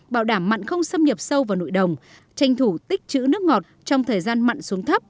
bảo đảm mặn không xâm nhập sâu vào nội đồng tranh thủ tích chữ nước ngọt trong thời gian mặn xuống thấp